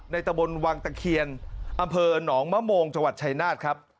ตะบนวังตะเคียนอำเภอหนองมะโมงจังหวัดชายนาฏครับ